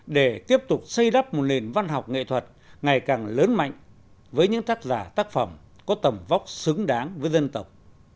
để tiếp tục xây đắp một nền văn học nghệ thuật ngày càng lớn mạnh với những tác giả tác phẩm có tầm vóc xứng đáng với dân tộc